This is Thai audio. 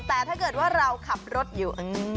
แต่ถ้าเกิดว่าเราขับรถอยู่